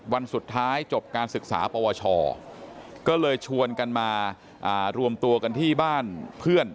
วันสุดท้ายจบการศึกษาปวชก็เลยชวนกันมารวมตัวกันที่บ้านเพื่อน